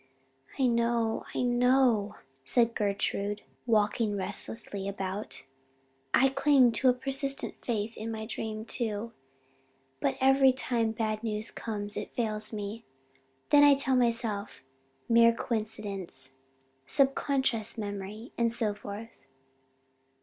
"I know I know," said Gertrude, walking restlessly about. "I cling to a persistent faith in my dream, too but every time bad news comes it fails me. Then I tell myself 'mere coincidence' 'subconscious memory' and so forth."